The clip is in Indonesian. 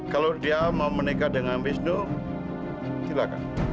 kalau dia mau menikah dengan wisnu silakan